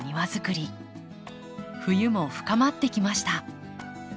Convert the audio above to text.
冬も深まってきました。